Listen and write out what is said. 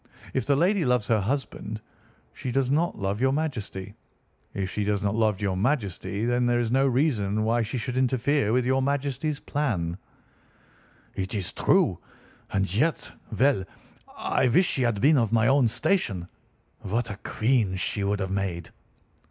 If the lady loves her husband, she does not love your Majesty. If she does not love your Majesty, there is no reason why she should interfere with your Majesty's plan." "It is true. And yet—! Well! I wish she had been of my own station! What a queen she would have made!"